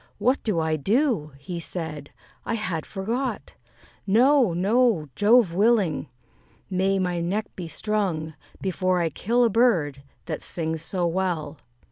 "What do I do?" he said; "I had forgot: No, no, Jove willing! may my neck be strung, Before I kill a bird that sings so well."